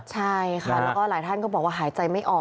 ใช่ค่ะแล้วก็หลายท่านก็บอกว่าหายใจไม่ออก